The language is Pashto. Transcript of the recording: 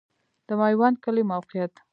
د میوند کلی موقعیت